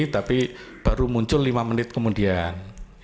tapi baru muncul lima menit kemudian